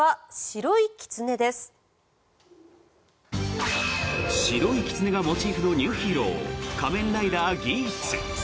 白いキツネがモチーフのニューヒーロー「仮面ライダーギーツ」。